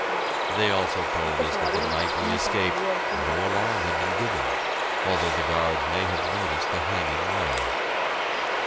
They also told us that the night we escaped, no alarm had been given, although the guards may have noticed the hanging wires.